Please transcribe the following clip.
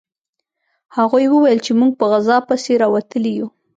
هغوی وویل چې موږ په غذا پسې راوتلي یو